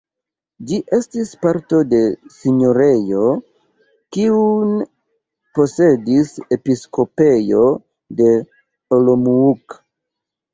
Ĝi estis parto de sinjorejo, kiun posedis episkopejo de Olomouc.